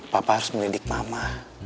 papa harus melidik mama